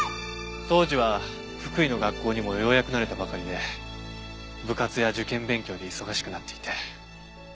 当時は福井の学校にもようやく慣れたばかりで部活や受験勉強で忙しくなっていて。